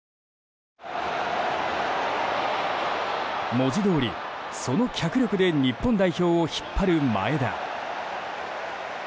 文字どおり、その脚力で日本代表を引っ張る前田。